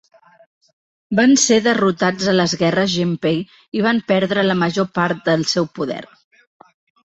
Van ser derrotats a les guerres Genpei i van perdre la major part del seu poder.